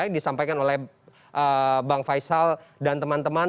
disampaikan oleh bang faisal dan teman teman